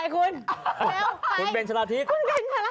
ถูกต้อง